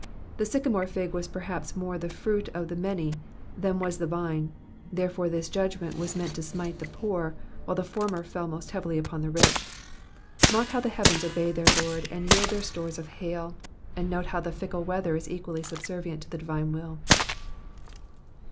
The sycomore fig was perhaps more the fruit of the many than was the vine, therefore this judgment was meant to smite the poor, while the former fell most heavily upon the rich. Mark how the heavens obey their Lord and yield their stores of hail, and note how the tickle weather is equally subservient to the divine will.